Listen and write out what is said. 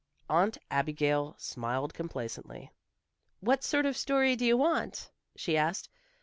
Aunt Abigail smiled complacently. "What sort of story do you want?" she asked.